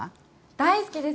大好きです。